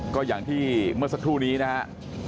ก็อย่างที่เมื่อสักครู่นี้นะครับ